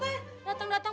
tidak ada lagi